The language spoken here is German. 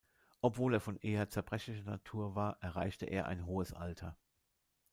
Obwohl er von eher zerbrechlicher Natur war, erreichte er ein hohes Alter.